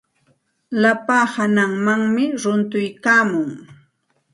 Slapa hananmanmi runtuykaamun.